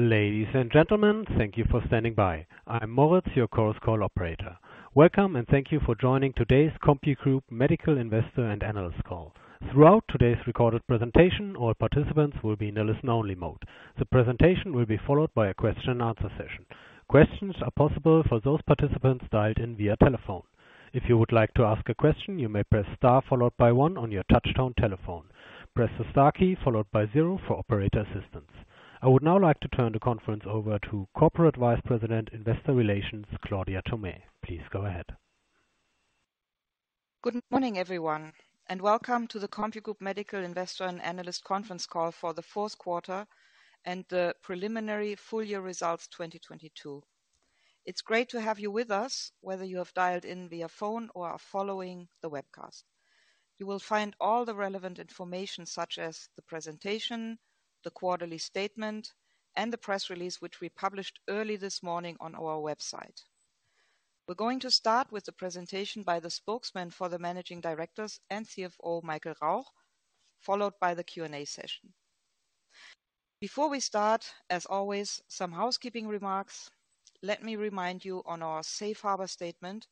Ladies and gentlemen, thank you for standing by. I'm Moritz, your Chorus Call operator. Welcome, and thank you for joining today's CompuGroup Medical Investor and Analyst call. Throughout today's recorded presentation, all participants will be in a listen-only mode. The presentation will be followed by a question and answer session. Questions are possible for those participants dialed in via telephone. If you would like to ask a question, you may press Star followed by one on your touchtone telephone. Press the star key followed by zero for operator assistance. I would now like to turn the conference over to Corporate Vice President, Investor Relations, Claudia Thomé. Please go ahead. Good morning, everyone, and welcome to the CompuGroup Medical Investor and Analyst conference call for the fourth quarter and the preliminary full year results 2022. It's great to have you with us, whether you have dialed in via phone or are following the webcast. You will find all the relevant information such as the presentation, the quarterly statement, and the press release, which we published early this morning on our website. We're going to start with the presentation by the spokesman for the Managing Directors and CFO, Michael Rauch, followed by the Q&A session. Before we start, as always, some housekeeping remarks. Let me remind you on our safe harbor statement,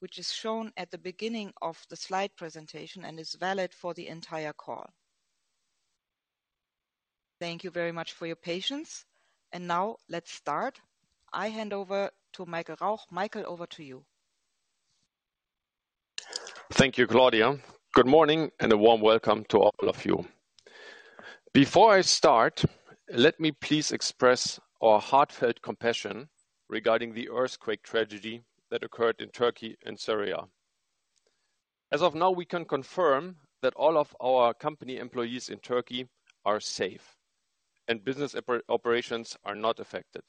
which is shown at the beginning of the slide presentation and is valid for the entire call. Thank you very much for your patience. Now let's start. I hand over to Michael Rauch. Michael, over to you. Thank you, Claudia. Good morning and a warm welcome to all of you. Before I start, let me please express our heartfelt compassion regarding the earthquake tragedy that occurred in Turkey and Syria. As of now, we can confirm that all of our company employees in Turkey are safe and business operations are not affected.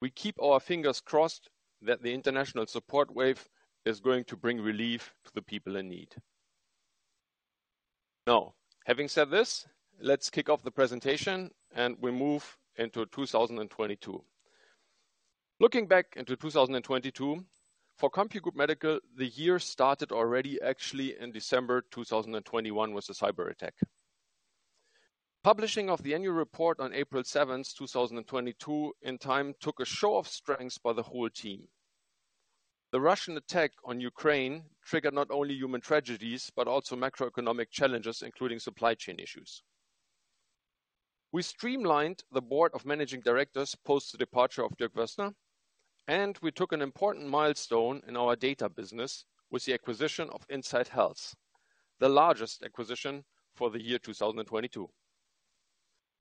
We keep our fingers crossed that the international support wave is going to bring relief to the people in need. Having said this, let's kick off the presentation and we move into 2022. Looking back into 2022, for CompuGroup Medical, the year started already actually in December 2021 with a cyberattack. Publishing of the annual report on April 7th, 2022, in time, took a show of strength by the whole team. The Russian attack on Ukraine triggered not only human tragedies, but also macroeconomic challenges, including supply chain issues. We streamlined the board of managing directors post the departure of Dirk Wössner, and we took an important milestone in our data business with the acquisition of Insight Health, the largest acquisition for the year 2022.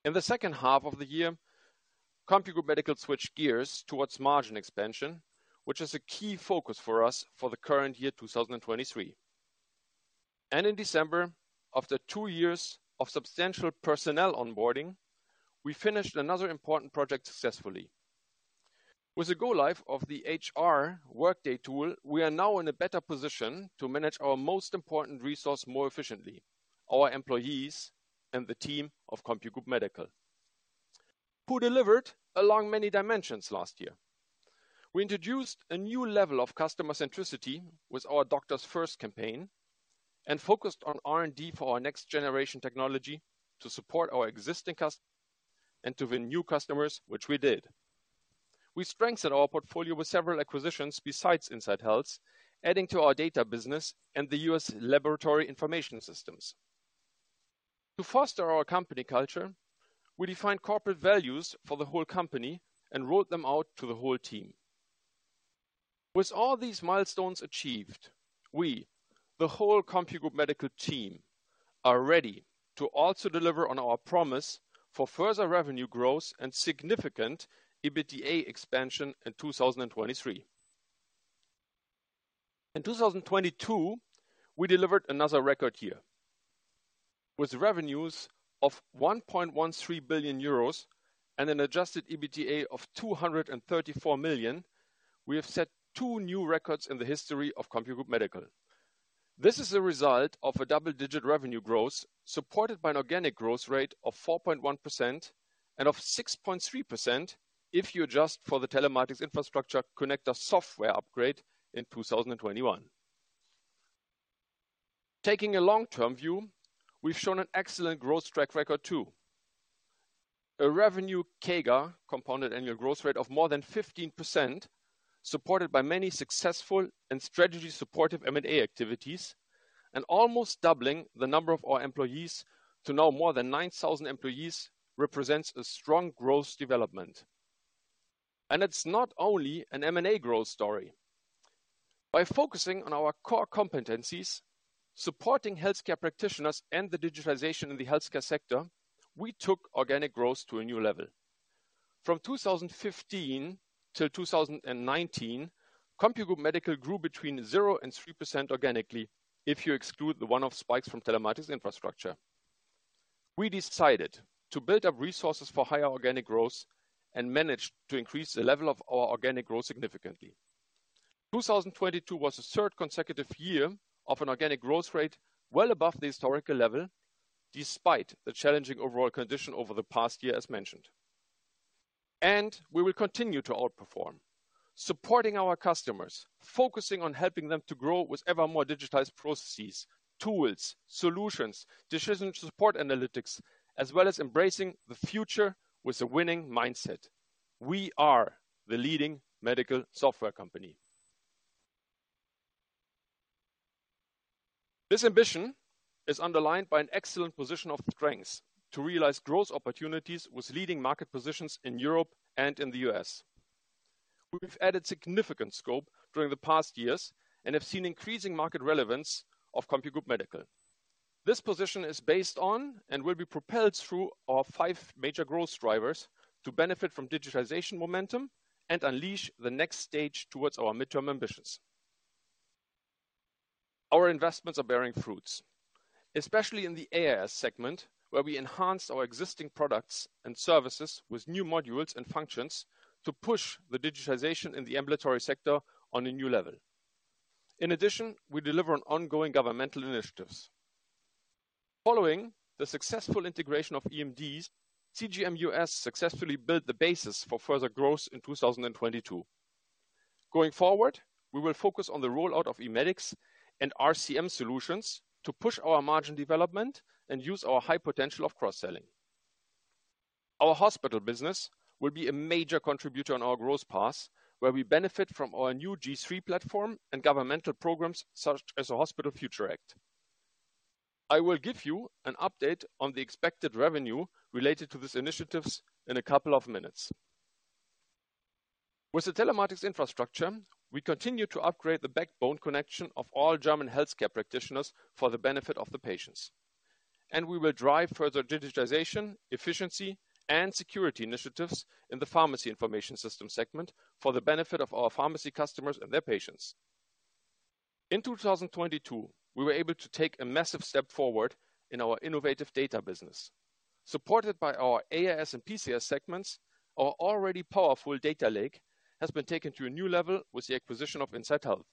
In the second half of the year, CompuGroup Medical switched gears towards margin expansion, which is a key focus for us for the current year 2023. In December, after two years of substantial personnel onboarding, we finished another important project successfully. With the go live of the HR Workday tool, we are now in a better position to manage our most important resource more efficiently, our employees and the team of CompuGroup Medical, who delivered along many dimensions last year. We introduced a new level of customer centricity with our Doctors First campaign and focused on R&D for our next generation technology to support our existing customers and to win new customers, which we did. We strengthened our portfolio with several acquisitions besides Insight Health, adding to our data business and the U.S. laboratory information systems. To foster our company culture, we defined corporate values for the whole company and rolled them out to the whole team. With all these milestones achieved, we, the whole CompuGroup Medical team, are ready to also deliver on our promise for further revenue growth and significant EBITDA expansion in 2023. In 2022, we delivered another record year. With revenues of 1.13 billion euros and an adjusted EBITDA of 234 million, we have set two new records in the history of CompuGroup Medical. This is a result of a double-digit revenue growth supported by an organic growth rate of 4.1% and of 6.3% if you adjust for the Telematikinfrastruktur connector software upgrade in 2021. Taking a long-term view, we've shown an excellent growth track record too. A revenue CAGR, Compound Annual Growth Rate, of more than 15%, supported by many successful and strategy-supportive M&A activities and almost doubling the number of our employees to now more than 9,000 employees represents a strong growth development. It's not only an M&A growth story. By focusing on our core competencies, supporting healthcare practitioners and the digitalization in the healthcare sector, we took organic growth to a new level. From 2015 till 2019, CompuGroup Medical grew between 0% and 3% organically if you exclude the one-off spikes from telematics infrastructure. We decided to build up resources for higher organic growth and managed to increase the level of our organic growth significantly. 2022 was the third consecutive year of an organic growth rate well above the historical level, despite the challenging overall condition over the past year as mentioned. We will continue to outperform. Supporting our customers, focusing on helping them to grow with ever more digitized processes, tools, solutions, decision support analytics, as well as embracing the future with a winning mindset. We are the leading medical software company. This ambition is underlined by an excellent position of strength to realize growth opportunities with leading market positions in Europe and in the U.S. We've added significant scope during the past years and have seen increasing market relevance of CompuGroup Medical. This position is based on and will be propelled through our five major growth drivers to benefit from digitization momentum and unleash the next stage towards our midterm ambitions. Our investments are bearing fruits, especially in the AIS segment, where we enhance our existing products and services with new modules and functions to push the digitization in the ambulatory sector on a new level. In addition, we deliver on ongoing governmental initiatives. Following the successful integration of eMDs, CGM US successfully built the basis for further growth in 2022. Going forward, we will focus on the rollout of eMEDIX and RCM solutions to push our margin development and use our high potential of cross-selling. Our hospital business will be a major contributor on our growth path, where we benefit from our new G3 platform and governmental programs such as the Hospital Future Act. I will give you an update on the expected revenue related to these initiatives in a couple of minutes. With the Telematikinfrastruktur, we continue to upgrade the backbone connection of all German healthcare practitioners for the benefit of the patients. We will drive further digitization, efficiency, and security initiatives in the pharmacy information system segment for the benefit of our pharmacy customers and their patients. In 2022, we were able to take a massive step forward in our innovative data business. Supported by our AIS and PCS segments, our already powerful data lake has been taken to a new level with the acquisition of Insight Health.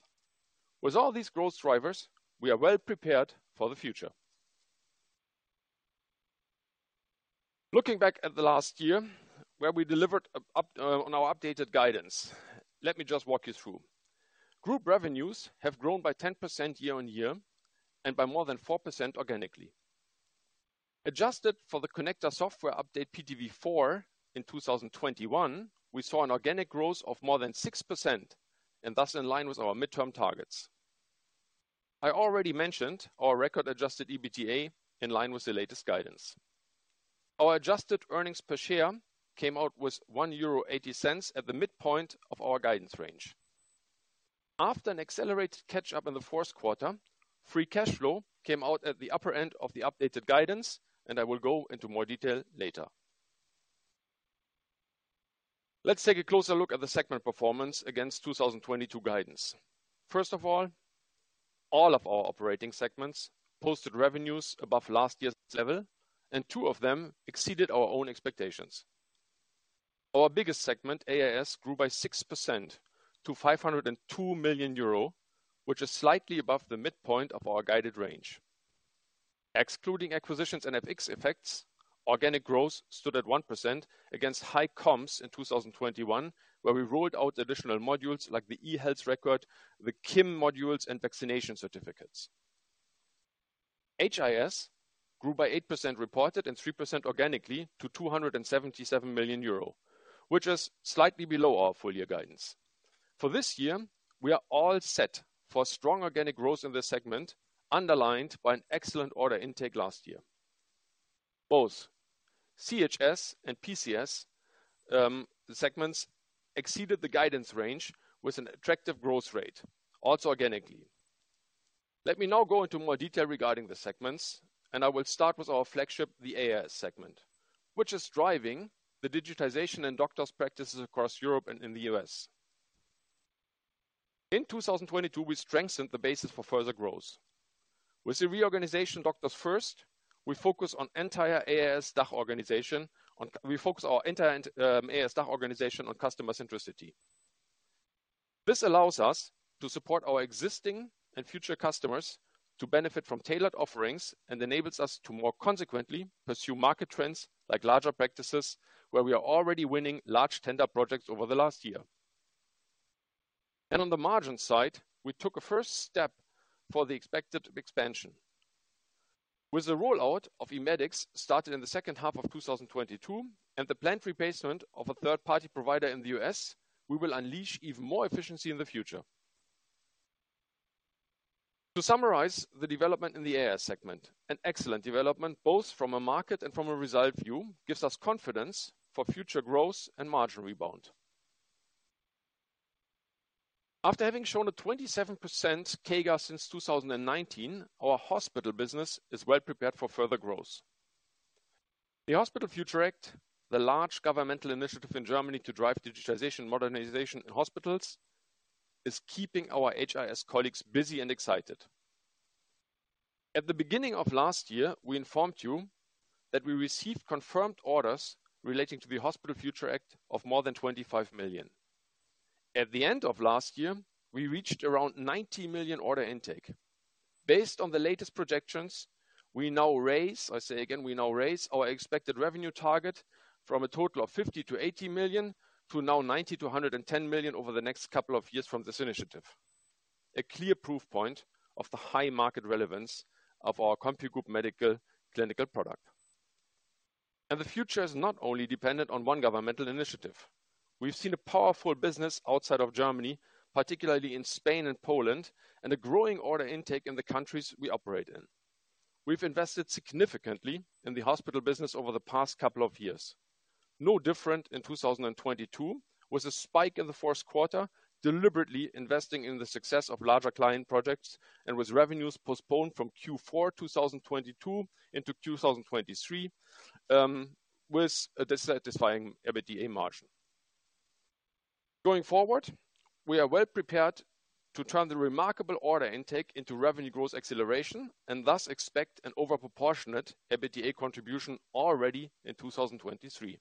With all these growth drivers, we are well prepared for the future. Looking back at the last year, where we delivered on our updated guidance, let me just walk you through. Group revenues have grown by 10% year-over-year and by more than 4% organically. Adjusted for the connector software update PTV4 in 2021, we saw an organic growth of more than 6% and thus in line with our midterm targets. I already mentioned our record-adjusted EBITDA in line with the latest guidance. Our adjusted earnings per share came out with 1.80 euro at the midpoint of our guidance range. After an accelerated catch-up in the fourth quarter, free cash flow came out at the upper end of the updated guidance, and I will go into more detail later. Let's take a closer look at the segment performance against 2022 guidance. First of all of our operating segments posted revenues above last year's level, and two of them exceeded our own expectations. Our biggest segment, AIS, grew by 6% to 502 million euro, which is slightly above the midpoint of our guided range. Excluding acquisitions and FX effects, organic growth stood at 1% against high comps in 2021, where we rolled out additional modules like the e-health record, the KIM modules, and vaccination certificates. HIS grew by 8% reported and 3% organically to 277 million euro, which is slightly below our full year guidance. For this year, we are all set for strong organic growth in this segment, underlined by an excellent order intake last year. Both CHS and PCS segments exceeded the guidance range with an attractive growth rate, also organically. Let me now go into more detail regarding the segments, and I will start with our flagship, the AIS segment, which is driving the digitization in doctors' practices across Europe and in the U.S.. In 2022, we strengthened the basis for further growth. With the reorganization Doctors First, we focus our entire AIS DACH organization on customer centricity. This allows us to support our existing and future customers to benefit from tailored offerings and enables us to more consequently pursue market trends like larger practices, where we are already winning large tender projects over the last year. On the margin side, we took a first step for the expected expansion. With the rollout of eMEDIX starting in the second half of 2022 and the planned replacement of a third-party provider in the U.S., we will unleash even more efficiency in the future. To summarize the development in the AIS segment, an excellent development, both from a market and from a result view, gives us confidence for future growth and margin rebound. After having shown a 27% CAGR since 2019, our hospital business is well prepared for further growth. The Hospital Future Act, the large governmental initiative in Germany to drive digitization modernization in hospitals, is keeping our HIS colleagues busy and excited. At the beginning of last year, we informed you that we received confirmed orders relating to the Hospital Future Act of more than 25 million. At the end of last year, we reached around 90 million order intake. Based on the latest projections, we now raise, I say again, we now raise our expected revenue target from a total of 50 million-80 million to now 90 million-110 million over the next couple of years from this initiative. A clear proof point of the high market relevance of our CompuGroup Medical clinical product. The future is not only dependent on one governmental initiative. We've seen a powerful business outside of Germany, particularly in Spain and Poland, and a growing order intake in the countries we operate in. We've invested significantly in the hospital business over the past couple of years. No different in 2022 was a spike in the first quarter, deliberately investing in the success of larger client projects and with revenues postponed from Q4 2022 into 2023, with a dissatisfying EBITDA margin. Going forward, we are well prepared to turn the remarkable order intake into revenue growth acceleration and thus expect an overproportionate EBITDA contribution already in 2023.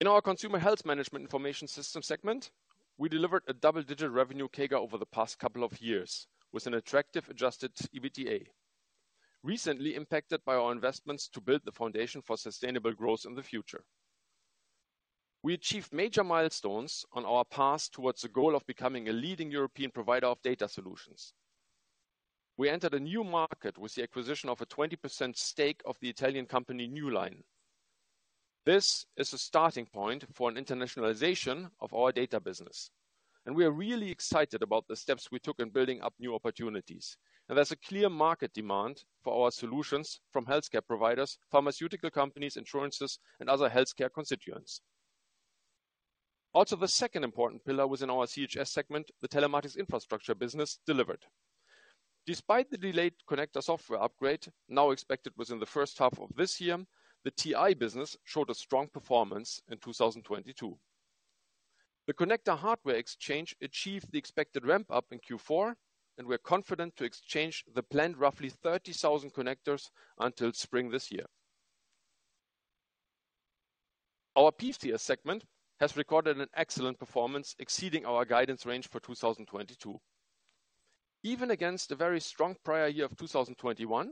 In our consumer health management information system segment, we delivered a double-digit revenue CAGR over the past couple of years with an attractive adjusted EBITDA, recently impacted by our investments to build the foundation for sustainable growth in the future. We achieved major milestones on our path towards the goal of becoming a leading European provider of data solutions. We entered a new market with the acquisition of a 20% stake of the Italian company New Line. This is a starting point for an internationalization of our data business, and we are really excited about the steps we took in building up new opportunities. There's a clear market demand for our solutions from healthcare providers, pharmaceutical companies, insurances, and other healthcare constituents. Also, the second important pillar within our CHS segment, the telematics infrastructure business, delivered. Despite the delayed connector software upgrade now expected within the first half of this year, the TI business showed a strong performance in 2022. The connector hardware exchange achieved the expected ramp-up in Q4, and we're confident to exchange the planned roughly 30,000 connectors until spring this year. Our PCS segment has recorded an excellent performance exceeding our guidance range for 2022. Even against a very strong prior year of 2021,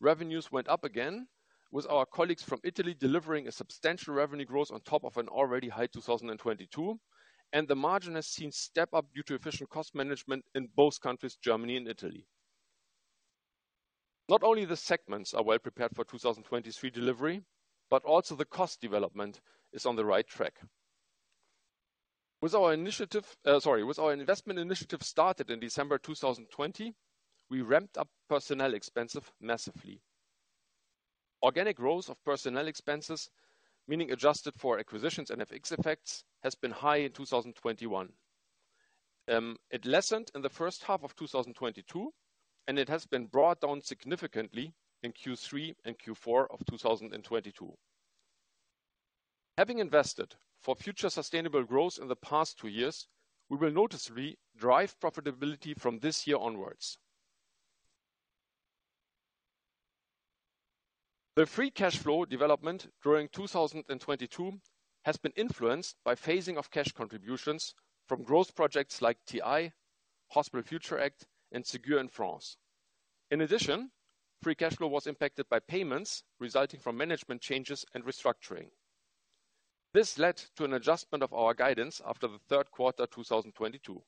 revenues went up again with our colleagues from Italy delivering a substantial revenue growth on top of an already high 2022. The margin has seen step-up due to efficient cost management in both countries, Germany and Italy. Not only the segments are well prepared for 2023 delivery, but also the cost development is on the right track. With our investment initiative started in December 2020, we ramped up personnel expenses massively. Organic growth of personnel expenses, meaning adjusted for acquisitions and FX effects, has been high in 2021. It lessened in the first half of 2022. It has been brought down significantly in Q3 and Q4 of 2022. Having invested for future sustainable growth in the past two years, we will noticeably drive profitability from this year onwards. The free cash flow development during 2022 has been influenced by phasing of cash contributions from growth projects like TI, Hospital Future Act, and Ségur in France. In addition, free cash flow was impacted by payments resulting from management changes and restructuring. This led to an adjustment of our guidance after the third quarter 2022.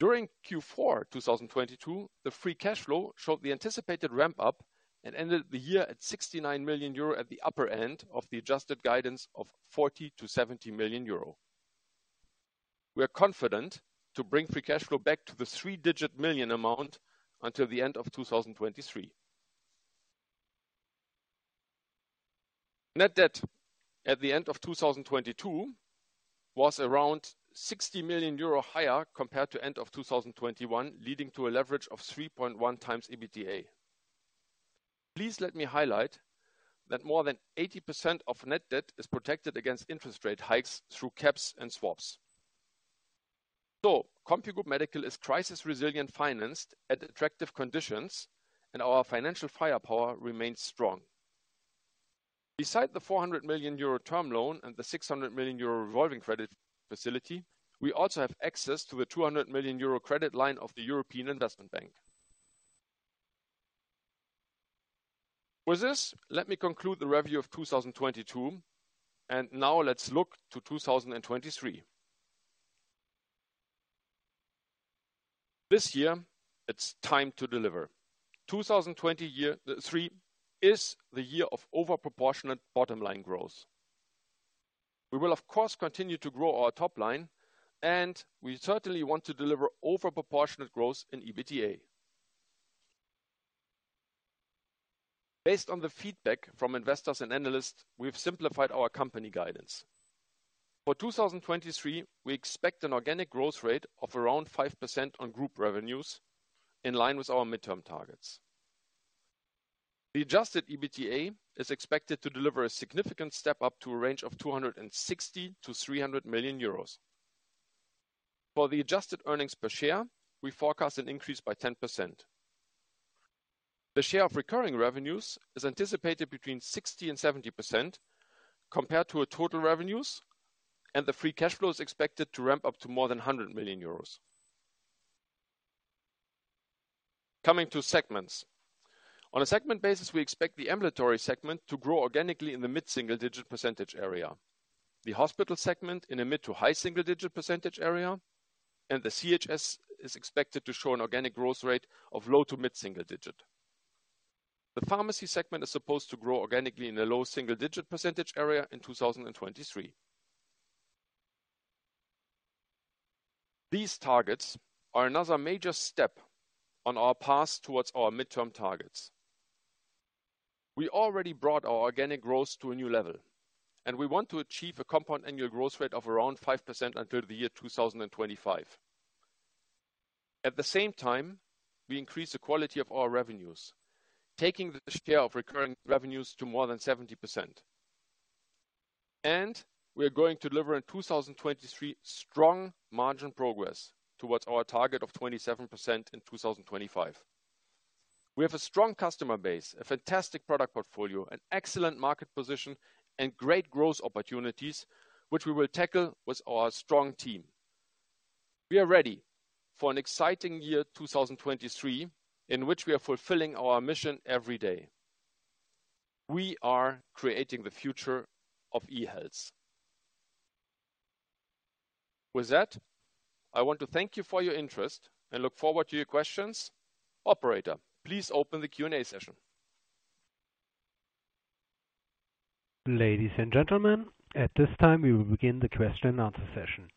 During Q4 2022, the free cash flow showed the anticipated ramp up and ended the year at 69 million euro at the upper end of the adjusted guidance of 40 million-70 million euro. We are confident to bring free cash flow back to the three-digit million amount until the end of 2023. Net debt at the end of 2022 was around 60 million euro higher compared to end of 2021, leading to a leverage of 3.1 times EBITDA. Please let me highlight that more than 80% of net debt is protected against interest rate hikes through caps and swaps. CompuGroup Medical is crisis-resilient financed at attractive conditions, and our financial firepower remains strong. Beside the 400 million euro term loan and the 600 million euro revolving credit facility, we also have access to the 200 million euro credit line of the European Investment Bank. With this, let me conclude the review of 2022, and now let's look to 2023. This year, it's time to deliver. 2023 is the year of overproportionate bottom-line growth. We will, of course, continue to grow our top line, and we certainly want to deliver overproportionate growth in EBITDA. Based on the feedback from investors and analysts, we've simplified our company guidance. For 2023, we expect an organic growth rate of around 5% on group revenues in line with our midterm targets. The adjusted EBITDA is expected to deliver a significant step-up to a range of 260 million-300 million euros. For the adjusted earnings per share, we forecast an increase by 10%. The share of recurring revenues is anticipated between 60% and 70% compared to our total revenues, and the free cash flow is expected to ramp up to more than 100 million euros. Coming to segments. On a segment basis, we expect the ambulatory segment to grow organically in the mid-single digit percent area, the hospital segment in a mid to high single digit % area, and the CHS is expected to show an organic growth rate of low to mid-single digit. The pharmacy segment is supposed to grow organically in the low single digit percent area in 2023. These targets are another major step on our path towards our midterm targets. We already brought our organic growth to a new level, and we want to achieve a compound annual growth rate of around 5% until the year 2025. At the same time, we increase the quality of our revenues, taking the share of recurring revenues to more than 70%. We are going to deliver in 2023, strong margin progress towards our target of 27% in 2025. We have a strong customer base, a fantastic product portfolio, an excellent market position, and great growth opportunities, which we will tackle with our strong team. We are ready for an exciting year, 2023, in which we are fulfilling our mission every day. We are creating the future of e-health. With that, I want to thank you for your interest and look forward to your questions. Operator, please open the Q&A session. Ladies and gentlemen, at this time, we will begin the question and answer session.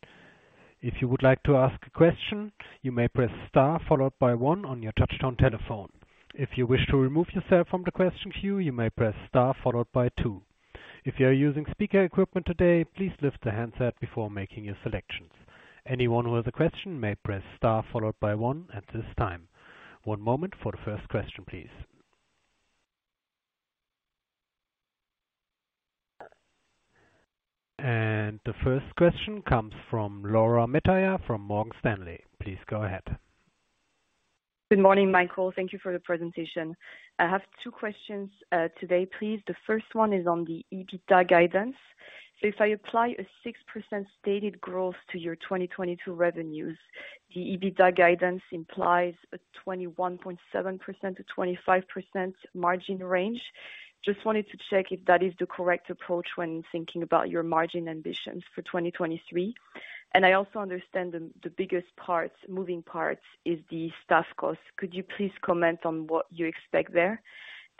If you would like to ask a question, you may press star followed by one on your touch-tone telephone. If you wish to remove yourself from the question queue, you may press star followed by two. If you're using speaker equipment today, please lift the handset before making your selections. Anyone with a question may press star followed by one at this time. One moment for the first question, please. The first question comes from Laura Metayer from Morgan Stanley. Please go ahead. Good morning, Michael. Thank you for the presentation. I have two questions today, please. The first one is on the EBITDA guidance. If I apply a 6% stated growth to your 2022 revenues, the EBITDA guidance implies a 21.7%-25% margin range. Just wanted to check if that is the correct approach when thinking about your margin ambitions for 2023. I also understand the moving parts is the staff costs. Could you please comment on what you expect there?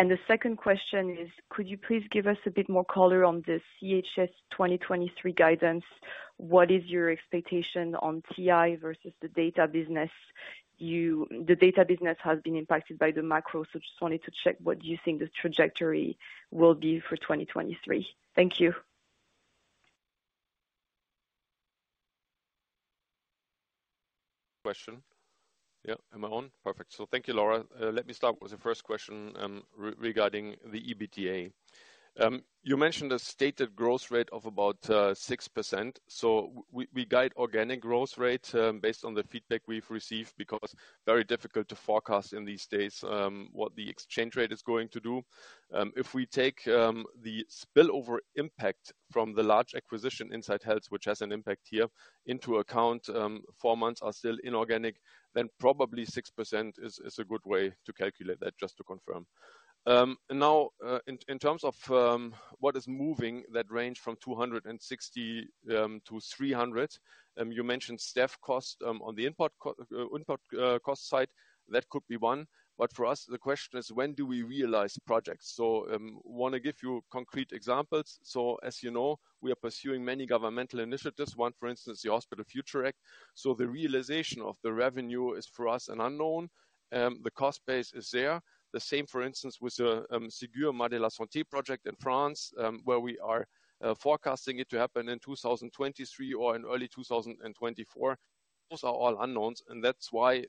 The second question is, could you please give us a bit more color on the CHS 2023 guidance? What is your expectation on TI versus the data business? The data business has been impacted by the macro, just wanted to check what you think the trajectory will be for 2023. Thank you. Question. Yeah, am I on? Perfect. Thank you, Laura. Let me start with the first question regarding the EBITDA. You mentioned a stated growth rate of about 6%. We guide organic growth rate based on the feedback we've received because very difficult to forecast in these days what the exchange rate is going to do. If we take the spillover impact from the large acquisition Insight Health, which has an impact here into account, four months are still inorganic, then probably 6% is a good way to calculate that, just to confirm. Now, in terms of what is moving that range from 260 million to 300 million, you mentioned staff cost on the input cost side, that could be one. For us, the question is when do we realize projects? Wanna give you concrete examples. As you know, we are pursuing many governmental initiatives. One, for instance, the Hospital Future Act. The realization of the revenue is for us an unknown. The cost base is there. The same, for instance, with the Ségur de la Santé project in France, where we are forecasting it to happen in 2023 or in early 2024. Those are all unknowns, that's why,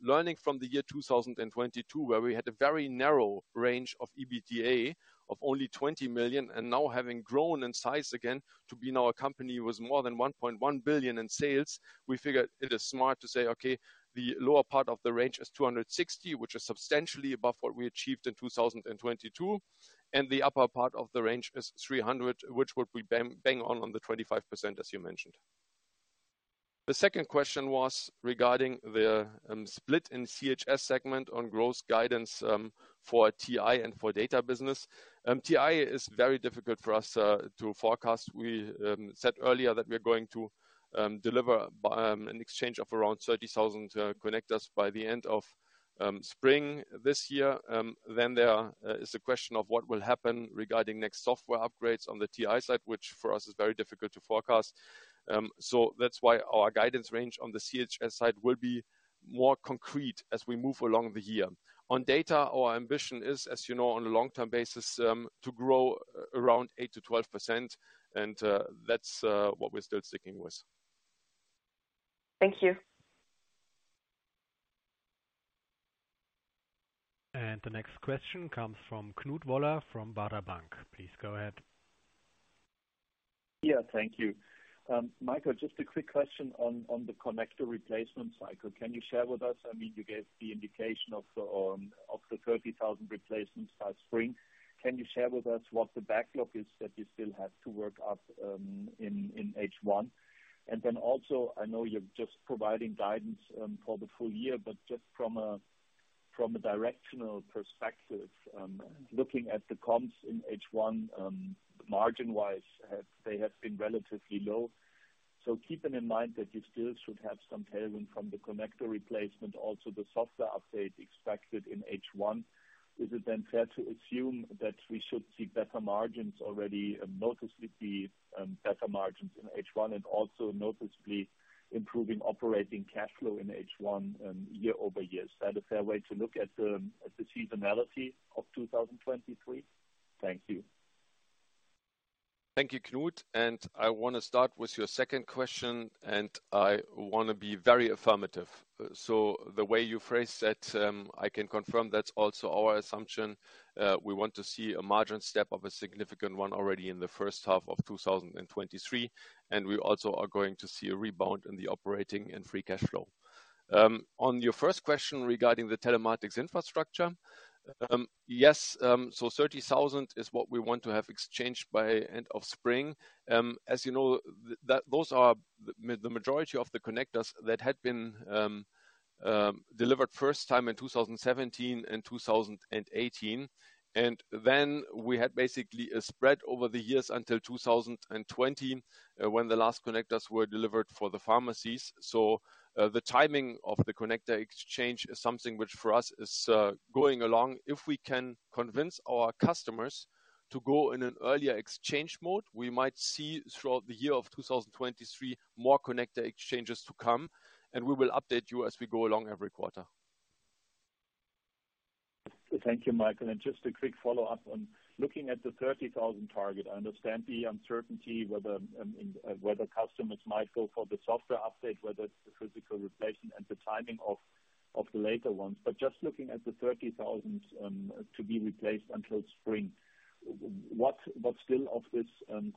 learning from the year 2022, where we had a very narrow range of EBITDA of only 20 million and now having grown in size again to be now a company with more than 1.1 billion in sales, we figured it is smart to say, okay, the lower part of the range is 260 million, which is substantially above what we achieved in 2022. The upper part of the range is 300 million, which would be bang on the 25%, as you mentioned. The second question was regarding the split in CHS segment on growth guidance for TI and for data business. TI is very difficult for us to forecast. We said earlier that we are going to deliver by an exchange of around 30,000 connectors by the end of spring this year. There is a question of what will happen regarding next software upgrades on the TI side, which for us is very difficult to forecast. That's why our guidance range on the CHS side will be more concrete as we move along the year. On data, our ambition is, as you know, on a long-term basis, to grow around 8%-12%, and that's what we're still sticking with. Thank you. The next question comes from Knut Woller from Baader Bank. Please go ahead. Yeah, thank you. Michael, just a quick question on the connector replacement cycle. Can you share with us, I mean, you gave the indication of the of the 30,000 replacements by spring. Can you share with us what the backlog is that you still have to work up in H1? Also, I know you're just providing guidance for the full year, but just from a, from a directional perspective, looking at the comps in H1, margin-wise, they have been relatively low. Keeping in mind that you still should have some tailwind from the connector replacement, also the software update expected in H1, is it then fair to assume that we should see better margins already, noticeably, better margins in H1 and also noticeably improving operating cash flow in H1, year-over-year? Is that a fair way to look at the, at the seasonality of 2023? Thank you. Thank you, Knut. I want to start with your second question, and I want to be very affirmative. The way you phrased that, I can confirm that's also our assumption. We want to see a margin step of a significant one already in the first half of 2023, and we also are going to see a rebound in the operating and free cash flow. On your first question regarding the Telematikinfrastruktur, 30,000 is what we want to have exchanged by end of spring. As you know, those are the majority of the connectors that had been delivered first time in 2017 and 2018. We had basically a spread over the years until 2020, when the last connectors were delivered for the pharmacies. The timing of the connector exchange is something which for us is going along. If we can convince our customers to go in an earlier exchange mode, we might see throughout the year of 2023, more connector exchanges to come, and we will update you as we go along every quarter. Thank you, Michael. Just a quick follow-up on looking at the 30,000 target. I understand the uncertainty whether whether customers might go for the software update, whether it's the physical replacement and the timing of the later ones. Just looking at the 30,000 to be replaced until spring, what still of this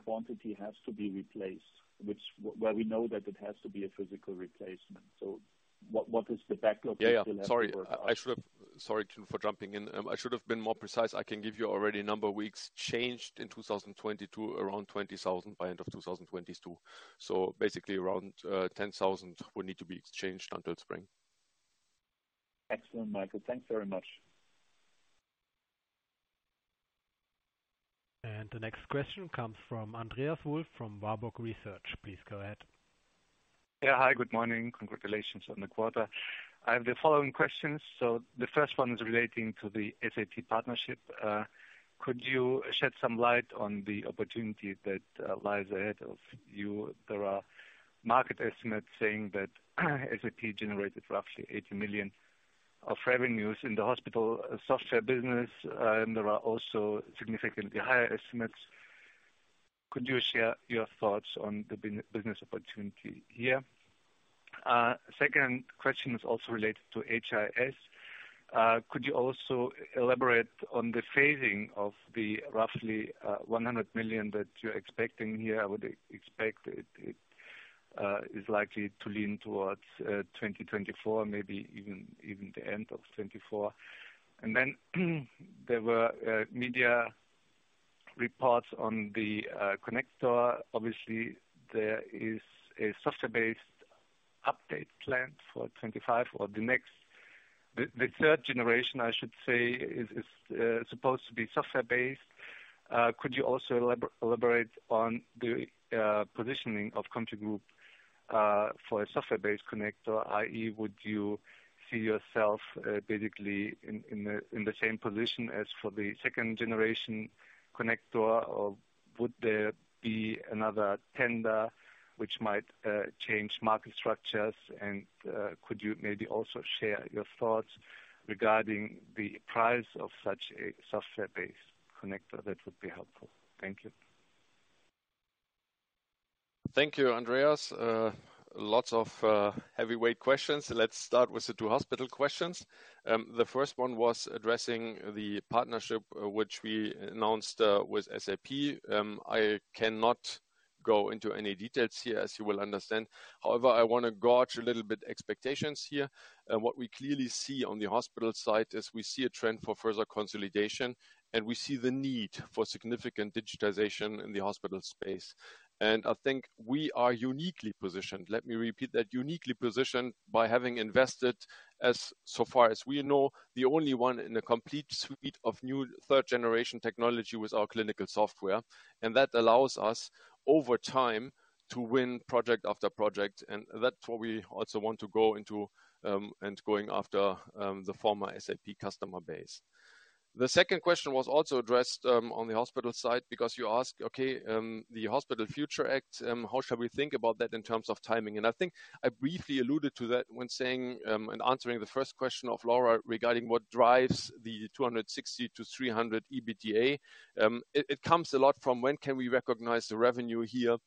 quantity has to be replaced? Where we know that it has to be a physical replacement. What is the backlog you still have to work on? Sorry for jumping in. I should have been more precise. I can give you already number of weeks changed in 2022, around 20,000 by end of 2022. Basically around 10,000 will need to be exchanged until spring. Excellent, Michael. Thanks very much. The next question comes from Andreas Wolf, from Warburg Research. Please go ahead. Hi, good morning. Congratulations on the quarter. I have the following questions. The first one is relating to the SAP partnership. Could you shed some light on the opportunity that lies ahead of you? There are market estimates saying that SAP generated roughly 80 million of revenues in the hospital software business, and there are also significantly higher estimates. Could you share your thoughts on the business opportunity here? Second question is also related to HIS. Could you also elaborate on the phasing of the roughly 100 million that you're expecting here? I would expect it is likely to lean towards 2024, maybe even the end of 2024. There were media reports on the connector. Obviously, there is a software-based update plan for 2025 or the next. The third generation, I should say, is supposed to be software-based. Could you also elaborate on the positioning of CompuGroup for a software-based connector, i.e. would you see yourself basically in the same position as for the second-generation connector? Or would there be another tender which might change market structures? Could you maybe also share your thoughts regarding the price of such a software-based connector? That would be helpful. Thank you. Thank you, Andreas. Lots of heavyweight questions. Let's start with the two hospital questions. The first one was addressing the partnership which we announced with SAP. I cannot go into any details here, as you will understand. However, I wanna gauge a little bit expectations here. What we clearly see on the hospital side is we see a trend for further consolidation, and we see the need for significant digitization in the hospital space. I think we are uniquely positioned, let me repeat that, uniquely positioned by having invested, as so far as we know, the only one in a complete suite of new third-generation technology with our clinical software. That allows us, over time, to win project after project. That's what we also want to go into, and going after the former SAP customer base. The second question was also addressed on the hospital side because you ask, okay, the Hospital Future Act, how shall we think about that in terms of timing? I think I briefly alluded to that when saying in answering the first question of Laura regarding what drives the 260-300 EBITDA. It comes a lot from when can we recognize the revenue here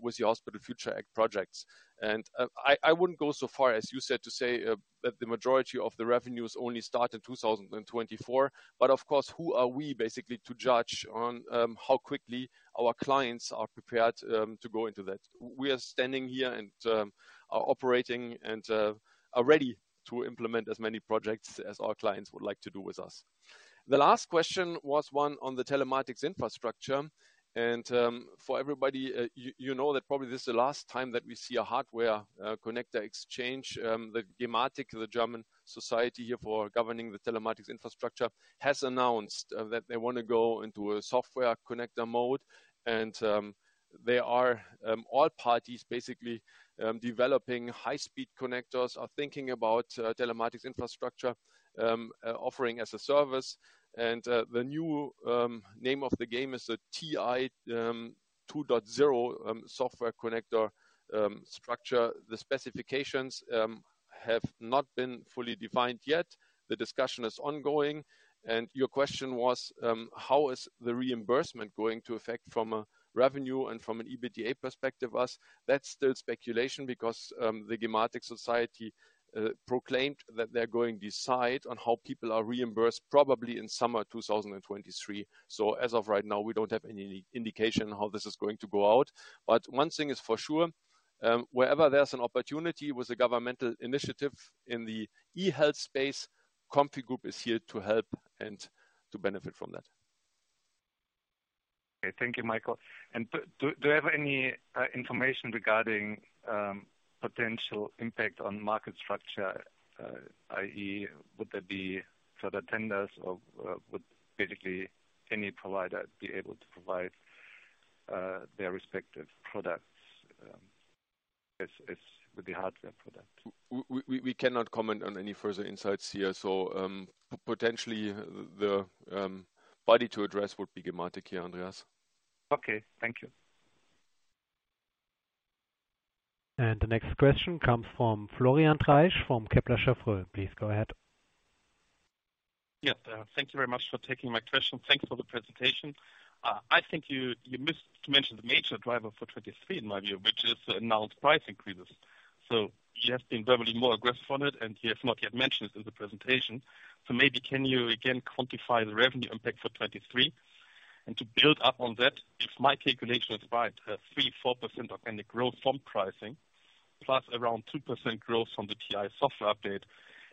with the Hospital Future Act projects. I wouldn't go so far as you said to say that the majority of the revenues only start in 2024. Of course, who are we basically to judge on how quickly our clients are prepared to go into that. We are standing here, are operating, are ready to implement as many projects as our clients would like to do with us. The last question was one on the telematics infrastructure. For everybody, you know that probably this is the last time that we see a hardware connector exchange. The Gematik, the German Society here for Governing the Telematics Infrastructure, has announced that they wanna go into a software connector mode. They are all parties basically developing high speed connectors, are thinking about telematics infrastructure offering as a service. The new name of the game is the TI 2.0 software connector structure. The specifications have not been fully defined yet. The discussion is ongoing. Your question was, how is the reimbursement going to affect from a revenue and from an EBITDA perspective us? That's still speculation because the gematik Society proclaimed that they're going decide on how people are reimbursed probably in summer 2023. As of right now, we don't have any indication how this is going to go out. One thing is for sure, wherever there's an opportunity with a governmental initiative in the e-health space, CompuGroup is here to help and to benefit from that. Okay, thank you, Michael. Do I have any information regarding potential impact on market structure, i.e. would there be further tenders or would basically any provider be able to provide their respective products as with the hardware product? We cannot comment on any further insights here. Potentially the party to address would be gematik here, Andreas. Okay, thank you. The next question comes from Florian Treisch from Kepler Cheuvreux. Please go ahead. Yes. Thank you very much for taking my question. Thanks for the presentation. I think you missed to mention the major driver for 2023 in my view, which is announced price increases. You have been verbally more aggressive on it, and you have not yet mentioned it in the presentation. Maybe can you again quantify the revenue impact for 2023? To build up on that, if my calculation is right, 3%-4% organic growth from pricing, plus around 2% growth from the TI software update,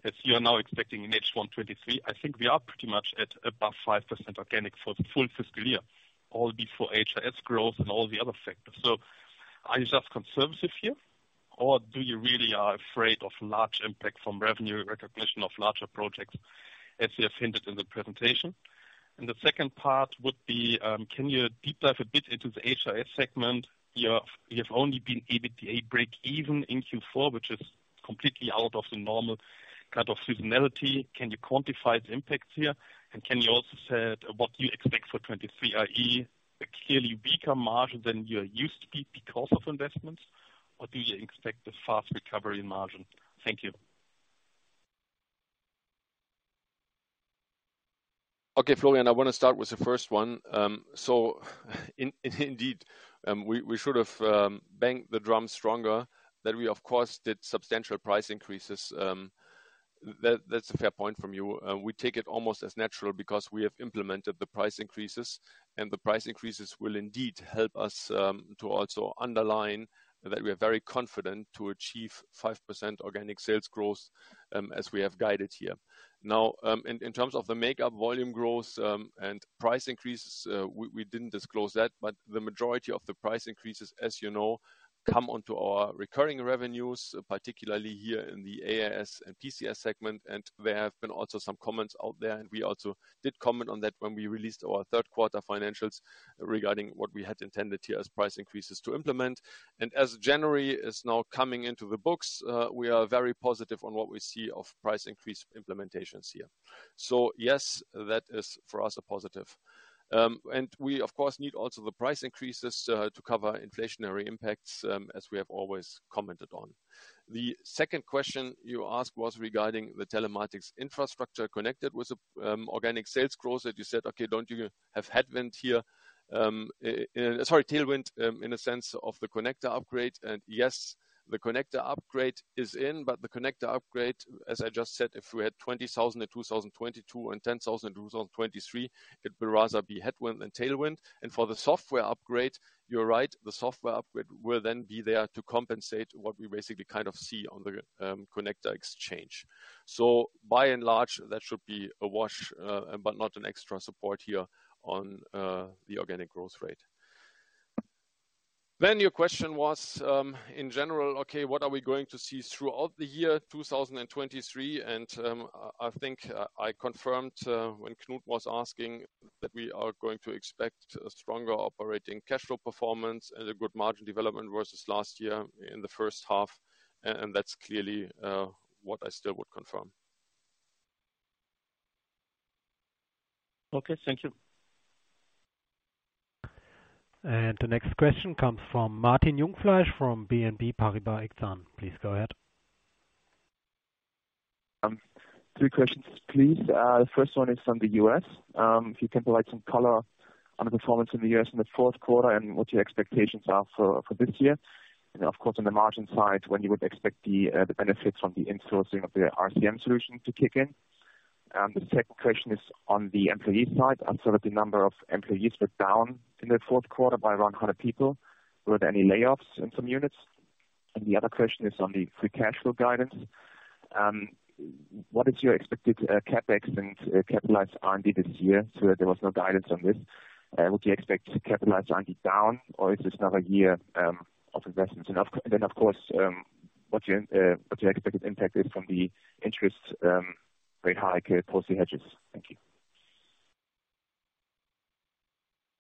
as you are now expecting in H1 2023, I think we are pretty much at above 5% organic for the full fiscal year, all before HIS growth and all the other factors. Are you just conservative here, or do you really are afraid of large impact from revenue recognition of larger projects, as you have hinted in the presentation? The second part would be, can you deep dive a bit into the HIS segment? You have only been EBITDA breakeven in Q4, which is completely out of the normal kind of seasonality. Can you quantify the impacts here? Can you also say what you expect for 23, i.e. a clearly weaker margin than you are used to be because of investments, or do you expect a fast recovery in margin? Thank you. Okay, Florian, I wanna start with the first one. Indeed, we should have banged the drum stronger that we, of course, did substantial price increases. That's a fair point from you. We take it almost as natural because we have implemented the price increases, and the price increases will indeed help us to also underline that we are very confident to achieve 5% organic sales growth as we have guided here. Now, in terms of the makeup volume growth and price increases, we didn't disclose that, but the majority of the price increases, as you know, come onto our recurring revenues, particularly here in the AIS and PCS segment. There have been also some comments out there, and we also did comment on that when we released our third quarter financials regarding what we had intended here as price increases to implement. As January is now coming into the books, we are very positive on what we see of price increase implementations here. Yes, that is, for us, a positive. We, of course, need also the price increases to cover inflationary impacts, as we have always commented on. The second question you asked was regarding the telematics infrastructure connected with the organic sales growth, that you said, "Okay, don't you have headwind here, sorry, tailwind, in a sense of the connector upgrade?" Yes, the connector upgrade is in, but the connector upgrade, as I just said, if we had 20,000 in 2022 and 10,000 in 2023, it would rather be headwind than tailwind. For the software upgrade, you're right. The software upgrade will then be there to compensate what we basically kind of see on the connector exchange. By and large, that should be a wash, but not an extra support here on the organic growth rate. Your question was, in general, okay, what are we going to see throughout the year 2023? I think I confirmed when Knut was asking that we are going to expect a stronger operating cash flow performance and a good margin development versus last year in the first half, and that's clearly what I still would confirm. Okay, thank you. The next question comes from Martin Jungfleisch from BNP Paribas Exane. Please go ahead. Three questions, please. The first one is from the U.S.. If you can provide some color on the performance in the US in the fourth quarter and what your expectations are for this year. Of course, on the margin side, when you would expect the benefits from the insourcing of the RCM solution to kick in. The second question is on the employee side. I saw that the number of employees were down in the fourth quarter by around 100 people. Were there any layoffs in some units? The other question is on the free cash flow guidance. What is your expected CapEx and capitalized R&D this year? There was no guidance on this. Would you expect capitalized R&D down, or is this another year of investments? Of course, what's your expected impact is from the interest, rate hike post the hedges? Thank you.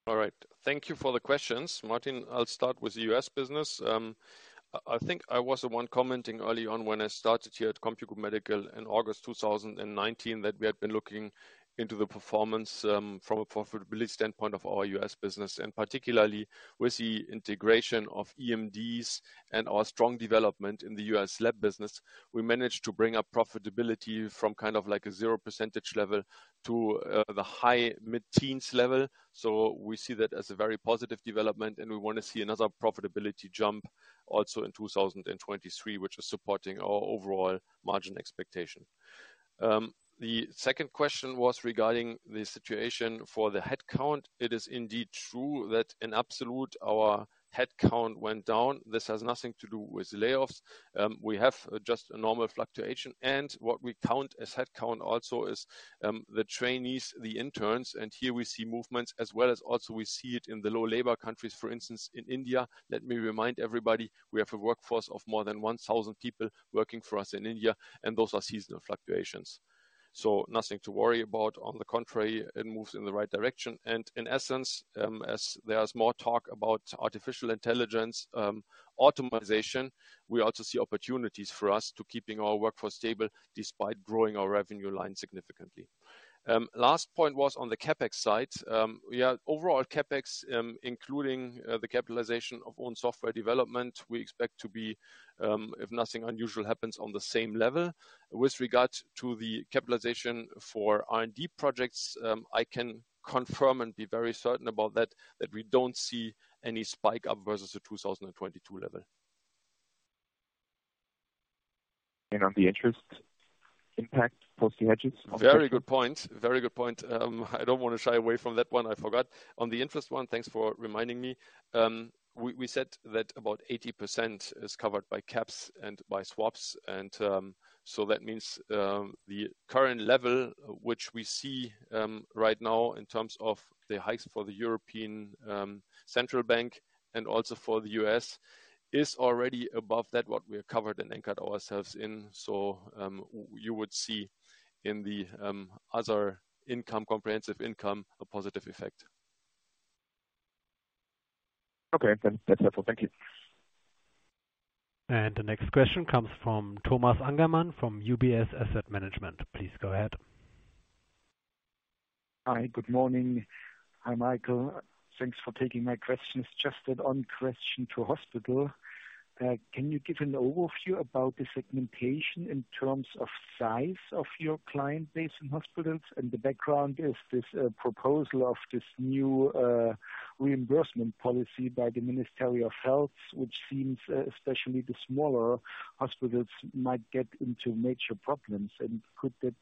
All right. Thank you for the questions. Martin, I'll start with the U.S. business. I think I was the one commenting early on when I started here at CompuGroup Medical in August 2019, that we had been looking into the performance from a profitability standpoint of our U.S. business. Particularly with the integration of eMDs and our strong development in the U.S. lab business, we managed to bring up profitability from kind of like a 0% level to the high mid-teens level. We see that as a very positive development, and we want to see another profitability jump also in 2023, which is supporting our overall margin expectation. The second question was regarding the situation for the headcount. It is indeed true that in absolute, our headcount went down. This has nothing to do with layoffs. We have just a normal fluctuation. What we count as headcount also is, the trainees, the interns, and here we see movements as well as also we see it in the low labor countries, for instance, in India. Let me remind everybody, we have a workforce of more than 1,000 people working for us in India, and those are seasonal fluctuations. Nothing to worry about. On the contrary, it moves in the right direction. In essence, as there's more talk about artificial intelligence, optimization, we also see opportunities for us to keeping our workforce stable despite growing our revenue line significantly. Last point was on the CapEx side. Yeah, overall CapEx, including, the capitalization of own software development, we expect to be, if nothing unusual happens, on the same level. With regard to the capitalization for R&D projects, I can confirm and be very certain about that we don't see any spike up versus the 2022 level. On the interest impact post the hedges? Very good point. Very good point. I don't want to shy away from that one. I forgot. On the interest one, thanks for reminding me. We said that about 80% is covered by caps and by swaps. That means the current level which we see right now in terms of the hikes for the European Central Bank and also for the U.S. is already above that what we have covered and anchored ourselves in. You would see in the other income, comprehensive income, a positive effect. Okay. That's that. Thank you. The next question comes from Thomas Angermann from UBS Asset Management. Please go ahead. Hi. Good morning. Hi, Michael. Thanks for taking my questions. Just that one question to hospital. Can you give an overview about the segmentation in terms of size of your client base in hospitals? The background is this proposal of this new reimbursement policy by the Ministry of Health, which seems especially the smaller hospitals might get into major problems. Could that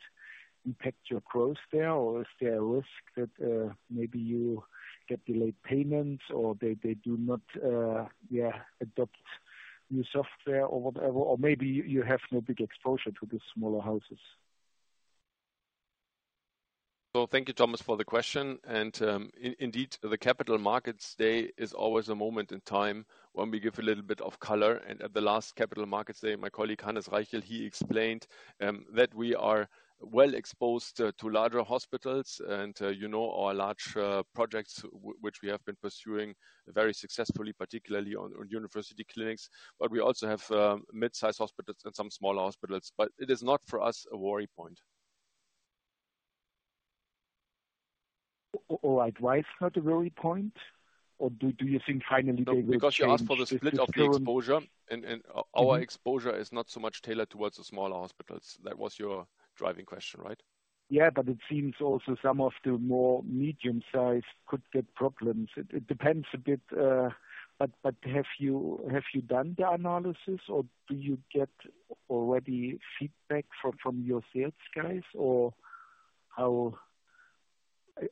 impact your growth there, or is there a risk that maybe you get delayed payments or they do not adopt new software or whatever, or maybe you have no big exposure to the smaller houses? Thank you, Thomas, for the question. Indeed, the Capital Markets Day is always a moment in time when we give a little bit of color. At the last Capital Markets Day, my colleague, Hannes Reichl, he explained that we are well exposed to larger hospitals and, you know, our large projects which we have been pursuing very successfully, particularly on university clinics. We also have mid-size hospitals and some smaller hospitals. It is not for us a worry point. why it's not a worry point? Do you think finally they will change? You asked for the split of the exposure and our exposure is not so much tailored towards the smaller hospitals. That was your driving question, right? Yeah. It seems also some of the more medium-sized could get problems. It depends a bit, but have you done the analysis or do you get already feedback from your sales guys or how.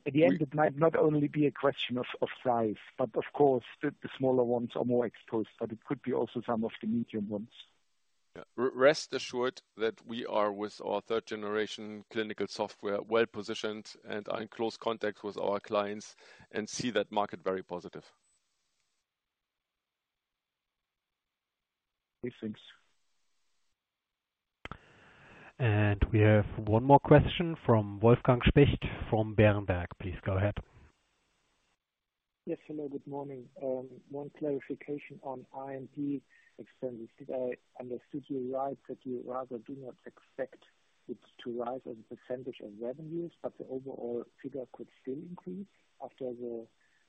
At the end it might not only be a question of size, but of course, the smaller ones are more exposed, but it could be also some of the medium ones. Rest assured that we are, with our third generation clinical software, well positioned and are in close contact with our clients and see that market very positive. Many thanks. We have one more question from Wolfgang Specht from Berenberg. Please go ahead. Yes. Hello, good morning. One clarification on R&D expenses. Did I understand you right that you rather do not expect it to rise as a percent of revenues, but the overall figure could still increase after the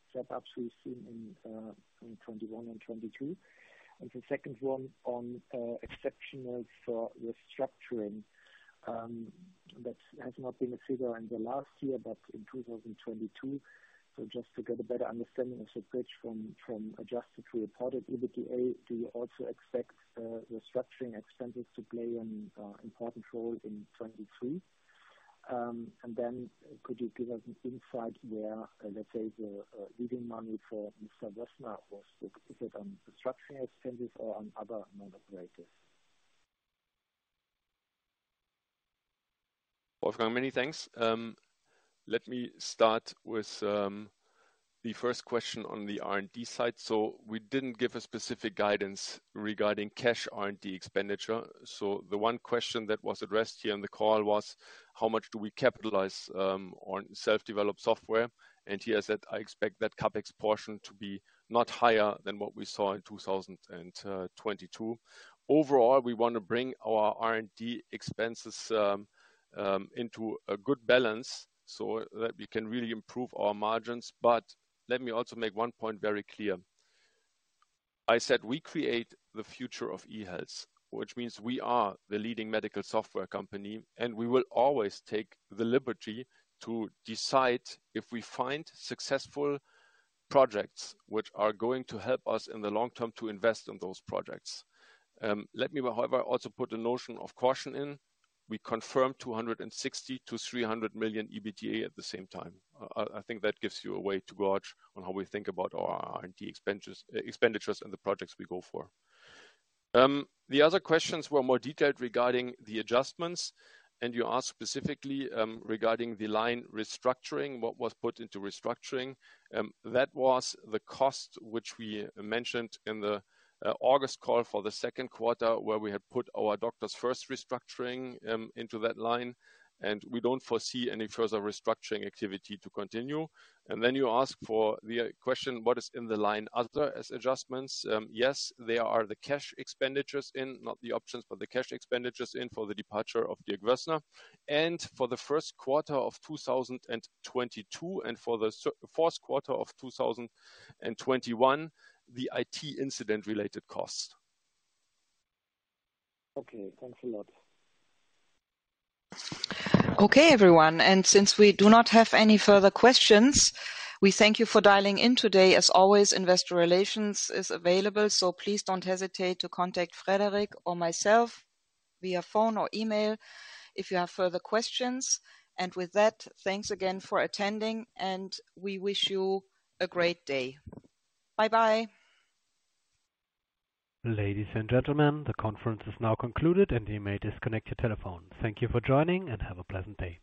step-ups we've seen in 2021 and 2022? The second one on exceptional for restructuring, that has not been a figure in the last year, but in 2022. Just to get a better understanding of the bridge from adjusted to reported EBITDA, do you also expect restructuring expenses to play an important role in 2023? Could you give us an insight where, let's say, the leaving money for Mr. Wössner was focused on restructuring expenses or on other non-operating? Wolfgang, many thanks. Let me start with the first question on the R&D side. We didn't give a specific guidance regarding cash R&D expenditure. The one question that was addressed here on the call was how much do we capitalize on self-developed software. Here I said, I expect that CapEx portion to be not higher than what we saw in 2022. Overall, we want to bring our R&D expenses into a good balance so that we can really improve our margins. Let me also make one point very clear. I said, we create the future of e-health, which means we are the leading medical software company, and we will always take the liberty to decide if we find successful projects which are going to help us in the long term to invest in those projects. Let me, however, also put a notion of caution in. We confirm 260 million-300 million EBITDA at the same time. I think that gives you a way to gauge on how we think about our R&D expenditures and the projects we go for. The other questions were more detailed regarding the adjustments, and you asked specifically regarding the line restructuring, what was put into restructuring. That was the cost which we mentioned in the August call for the second quarter, where we had put our Doctors First restructuring into that line, and we don't foresee any further restructuring activity to continue. Then you ask for the question, what is in the line other as adjustments? Yes, they are the cash expenditures in, not the options, but the cash expenditures in for the departure of Dirk Wössner. For the first quarter of 2022 and for the fourth quarter of 2021, the IT incident-related cost. Okay, thanks a lot. Okay, everyone. Since we do not have any further questions, we thank you for dialing in today. As always, Investor Relations is available, please don't hesitate to contact Frederick or myself via phone or email if you have further questions. With that, thanks again for attending and we wish you a great day. Bye-bye. Ladies and gentlemen, the conference is now concluded and you may disconnect your telephone. Thank you for joining and have a pleasant day.